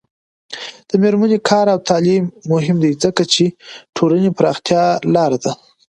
د میرمنو کار او تعلیم مهم دی ځکه چې ټولنې پراختیا لاره ده.